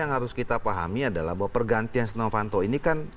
yang harus kita pahami adalah bahwa pergantian setia novanto ini kan